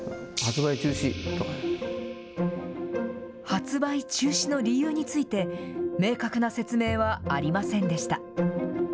発売中止の理由について、明確な説明はありませんでした。